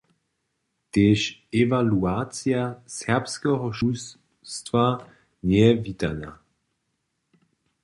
Tež ewaluacija serbskeho šulstwa njeje witana.